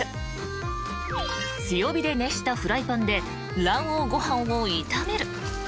［強火で熱したフライパンで卵黄ご飯を炒める］